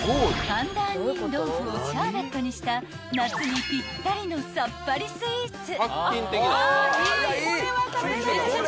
［パンダ杏仁豆腐をシャーベットにした夏にぴったりのさっぱりスイーツ］